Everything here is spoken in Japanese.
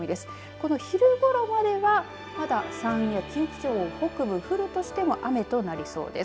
この昼ごろまでは、まだ山陰や近畿地方北部、降るとしても雨となりそうです。